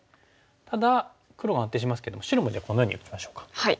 ただ黒が安定しますけど白もじゃあこのように打ちましょうか。